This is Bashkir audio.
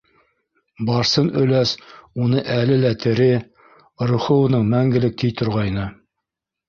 Барсын өләс уны әле лә тере, рухы уның мәңгелек ти торғайны...